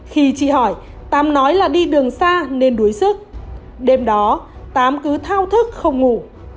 khi chị hỏi tám nói là đi đường xa nên đuối sức đêm đó tám cứ thao thức không ngủ